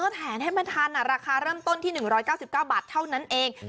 แทนไม่ทันอ่ะราคารันต้นที่๑๙๙บาทเท่านั้นเอง